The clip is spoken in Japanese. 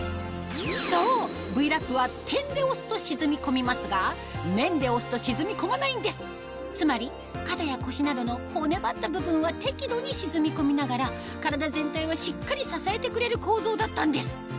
そうＶ−Ｌａｐは点で押すと沈み込みますが面で押すと沈み込まないんですつまり肩や腰などの骨張った部分は適度に沈み込みながら体全体はしっかり支えてくれる構造だったんです